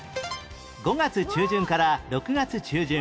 ５月中旬から６月中旬